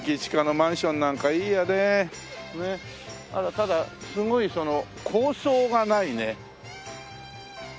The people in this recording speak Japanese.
ただすごいその高層がないね。